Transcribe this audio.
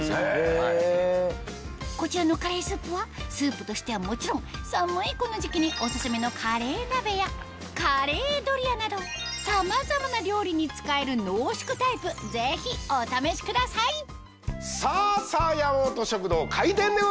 こちらのカレースープはスープとしてはもちろん寒いこの時期にオススメのカレー鍋やカレードリアなどさまざまな料理に使える濃縮タイプぜひお試しください！